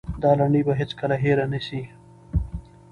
دا لنډۍ به هېڅکله هېره نه سي.